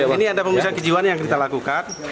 ini ada pemeriksaan kejiwaan yang kita lakukan